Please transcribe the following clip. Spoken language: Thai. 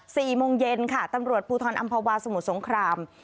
สี่โมงเย็นค่ะตำรวจภูทรอำภาวาสมุทรสงคราม